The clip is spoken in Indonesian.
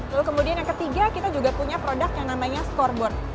lalu kemudian yang ketiga kita juga punya produk yang namanya scoreboard